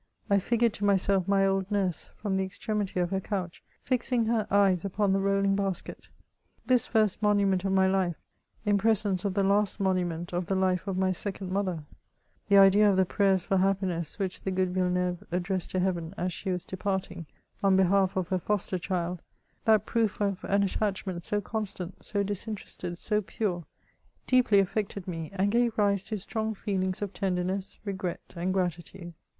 I figured to myself my old nurse, from the extremity of her couch, fixing her eyes upon the rolling basket ; this first monument of my life, in presence of the last monument of •the life of my second mother ; the idea of the prayers for happiness, which the good ViUeneuye addressed to Heaven as she was departing, on behalf of her foster child — ^that proof of an attachment so constant, so disinterested, so pure, — deeply affected me, and gave rise to strong feelings of tenderness, regret, and gratitude.